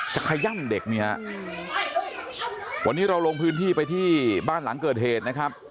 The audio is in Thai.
ขย่ำเด็กนี่ฮะวันนี้เราลงพื้นที่ไปที่บ้านหลังเกิดเหตุนะครับ